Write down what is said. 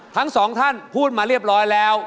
ทั้งสองท่านพูดมาเรียบร้อยแล้ว